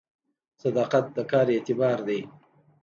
صداقت د کار اعتبار دی